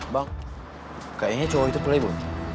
bang kayaknya cowok itu play bu